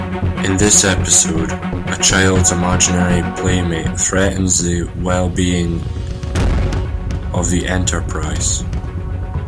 In this episode, a child's imaginary playmate threatens the well-being of the "Enterprise".